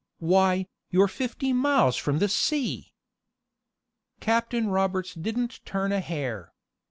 "Why, you're fifty miles from the sea!" Captain Roberts didn't turn a hair.